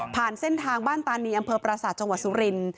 เส้นทางบ้านตานีอำเภอปราศาสตร์จังหวัดสุรินทร์